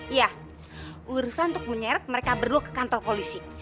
iya urusan untuk menyeret mereka berdua ke kantor polisi